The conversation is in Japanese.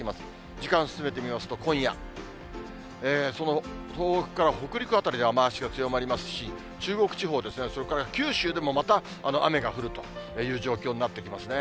時間進めてみますと、今夜、その東北から北陸辺りで雨足が強まりますし、中国地方ですね、それから九州でもまた、雨が降るという状況になってきますね。